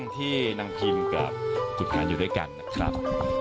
ที่นางพิมกับฝึกงานอยู่ด้วยกันนะครับ